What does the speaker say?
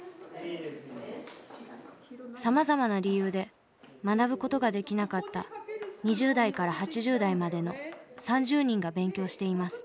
さまざまな理由で学ぶ事ができなかった２０代から８０代までの３０人が勉強しています。